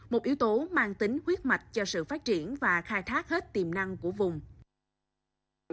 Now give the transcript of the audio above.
một yếu tố mang tính huyết mạch cho sự phát triển và khai thác hết tiềm năng của vùng